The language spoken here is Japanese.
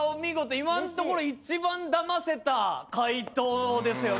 今のところ一番騙せた解答ですよね。